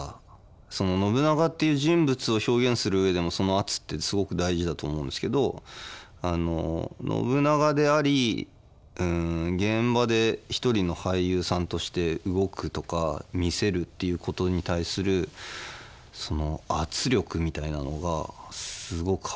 その信長っていう人物を表現する上でもその圧ってすごく大事だと思うんですけど信長であり現場で一人の俳優さんとして動くとか見せるっていうことに対する圧力みたいなのがすごく迫力があって。